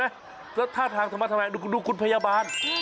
แล้วท่าทางทำไมดูคุณพยาบาล